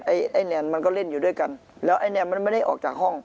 ไอ้ไอ้แนนมันก็เล่นอยู่ด้วยกันแล้วไอ้แนนมันไม่ได้ออกจากห้อง